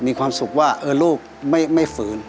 มีความสุขว่าลูกไม่ฝืน